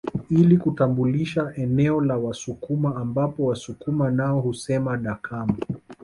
Ili kutambulisha eneo la Wasukuma ambapo Wasukuma nao husema Dakama